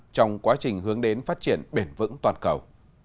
trong quá trình hướng đến phát triển bền vững toàn cầu